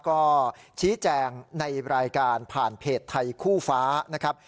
ก็ชี้แจงในรายการผ่านเพจไทยคู่ฟ้านะครับ